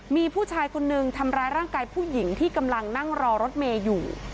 มีผู้ชายคนนึงทำร้ายร่างกายผู้หญิงที่กำลังนั่งรอรถเมย์อยู่